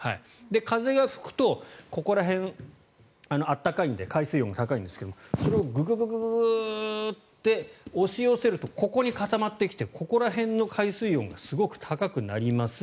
風が吹くと、ここら辺暖かいので海水温が高いんですがそれをググッと押し寄せるとここに固まってきてここら辺の海水温がすごく高くなります。